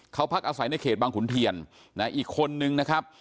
เขาพักอาศัยในเขตบางขุนเทียนอีกคนนึงนะครับ